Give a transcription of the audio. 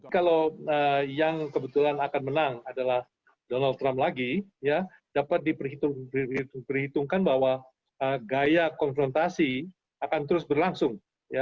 kalau yang kebetulan akan menang adalah donald trump lagi dapat diperhitungkan bahwa gaya konfrontasi akan terus berlangsung